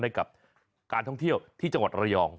ให้กับการท่องเที่ยวที่จังหวัดระยอง